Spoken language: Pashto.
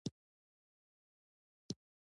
وروسته دا هیواد د خراسان په نوم یاد شو